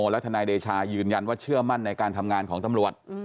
และทนายเดชายืนยันว่าเชื่อมั่นในการทำงานของตำรวจ